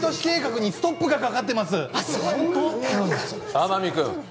天海君